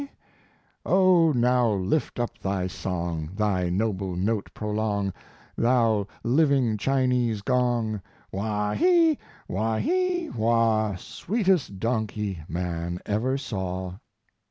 O now lift up thy song Thy noble note prolong Thou living Chinese gong! Waw he! waw he waw Sweetest donkey man ever saw.